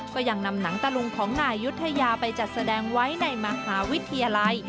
ก็ยังนำหนังตะลุงของนายยุธยาไปจัดแสดงไว้ในมหาวิทยาลัย